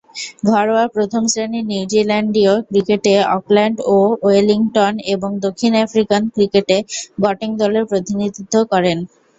ঘরোয়া প্রথম-শ্রেণীর নিউজিল্যান্ডীয় ক্রিকেটে অকল্যান্ড ও ওয়েলিংটন এবং দক্ষিণ আফ্রিকান ক্রিকেটে গটেং দলের প্রতিনিধিত্ব করেন।